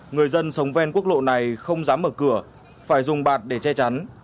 người dân sống ven quốc lộ này không dám mở cửa phải dùng bạt để che chắn